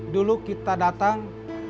dulu kita datang